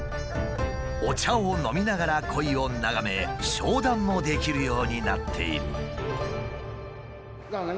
お茶を飲みながらコイを眺め商談もできるようになっている。